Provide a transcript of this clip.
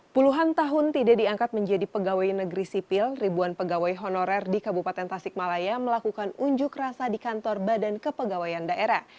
puluhan tahun tidak diangkat menjadi pegawai negeri sipil ribuan pegawai honorer di kabupaten tasikmalaya melakukan unjuk rasa di kantor badan kepegawaian daerah